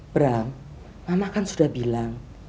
bram anak kan sudah bilang